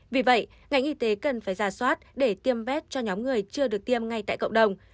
vì vậy ngành y tế cần phải ra soát để tiêm vét cho nhóm người chưa được tiêm ngay tại cộng đồng